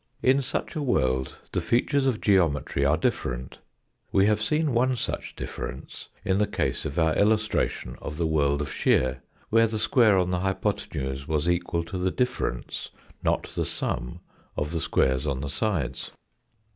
In such a world the features of geometry are different. We have seen one such difference in the case of our illus tration of the world of shear, where the square on the hypothenuse was equal to the difference, not the sum, of the squares on the sides.